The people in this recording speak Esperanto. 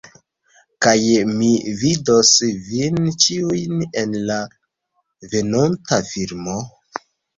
Kaj mi vidos vin ĉiujn en la venonta filmo.